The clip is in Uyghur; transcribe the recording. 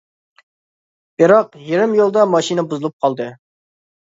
بىراق، يېرىم يولدا ماشىنا بۇزۇلۇپ قالدى.